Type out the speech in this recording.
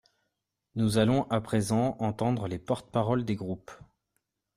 Nous allons à présent entendre les porte-parole des groupes.